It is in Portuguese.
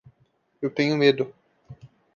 Eu tenho medo.